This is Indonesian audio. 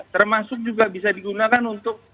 termasuk juga bisa digunakan untuk